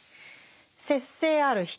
節制ある人